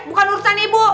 bukan urusan ibu